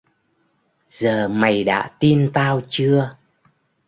Giờ mày đã tin tao chưa